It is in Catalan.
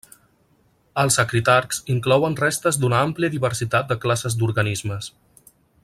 Els acritarcs inclouen restes d'una àmplia diversitat de classes d'organismes.